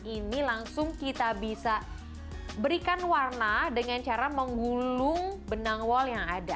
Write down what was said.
ini langsung kita bisa berikan warna dengan cara menggulung benang wall yang ada